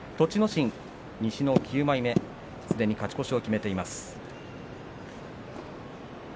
心、西の９枚目すでに勝ち越しを決めています。